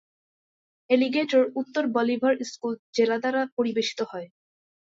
Alligator উত্তর Bolivar school জেলা দ্বারা পরিবেশিত হয়।